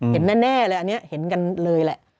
เห็นแน่เลยอันนี้เห็นกันเลยแหละ